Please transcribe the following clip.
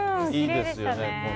いいですね。